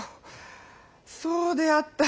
そうであった！